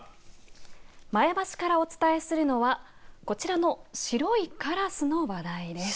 前橋からお伝えするのはこちらの白いカラスの話題です。